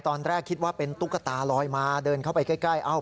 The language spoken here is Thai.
ตอนแรกคิดว่าเป็นตุ๊กตาลอยมาเดินเข้าไปใกล้